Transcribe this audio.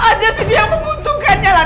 ada si dia yang membutuhkannya lah